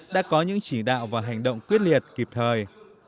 đã có những chỉ đạo và hành động quyết liệt kịp thời